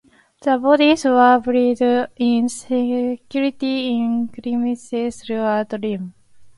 The bodies were buried in secrecy in cemeteries throughout Lima.